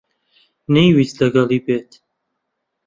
نەیویست لەگەڵی بێت.